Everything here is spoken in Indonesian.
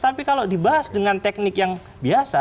tapi kalau dibahas dengan teknik yang biasa